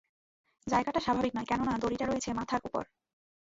জায়গাটা স্বাভাবিক নয় কেননা দড়িটা রয়েছে মাথার উপর।